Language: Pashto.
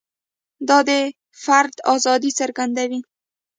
دا د فرد ازادي څرګندوي.